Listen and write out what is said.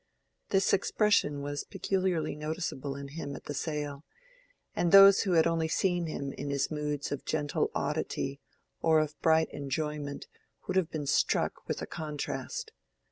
This expression was peculiarly noticeable in him at the sale, and those who had only seen him in his moods of gentle oddity or of bright enjoyment would have been struck with a contrast.